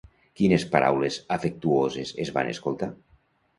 Quines paraules afectuoses es van escoltar?